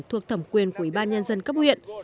thuộc thẩm quyền của ủy ban nhân dân cấp huyện